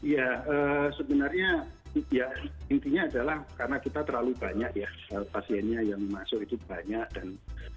ya sebenarnya ya intinya adalah karena kita terlalu banyak ya pasiennya yang masuk itu banyak dan